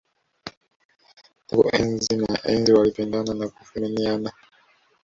Tangu enzi na enzi walipendana na kuthaminiana